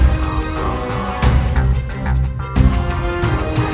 itu sangat keras cou histories